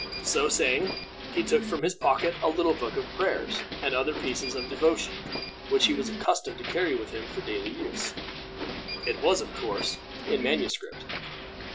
So saying, he took from his pocket a little book of prayers and other pieces of devotion, which he was accustomed to carry with him for daily use. It was, of course, in manuscript.